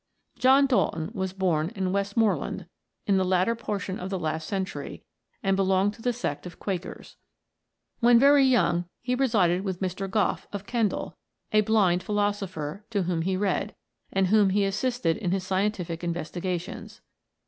John Dalton was born in Westmoreland, in the latter portion of the last century, and belonged to the sect of Quakers. When very young he resided with Mr. Goxagh, of Kendal, a blind philosopher, to whom he read, and whom he assisted in his scientific investigations.